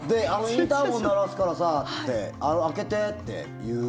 インターホン鳴らすからさ開けてっていう。